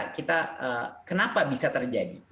kita kenapa bisa terjadi